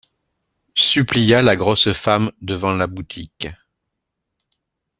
Supplia la grosse femme, devant la boutique.